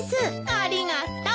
ありがとう。